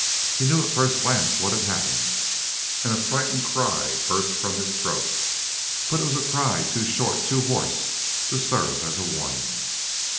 He knew at first glance what had happened, and a frightened cry burst from his throat, but it was a cry too short, too hoarse, to serve as a warning.